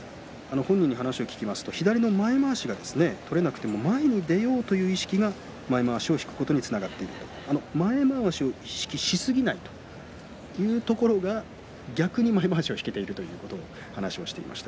本人に聞きますと左の前まわしが取れなくても前に出ようという意識が前まわしを引くことにつながっている前まわしを意識しすぎないというところが逆に前まわしを引けているという話をしていました。